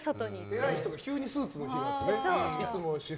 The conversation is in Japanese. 偉い人が急にスーツの日だとね。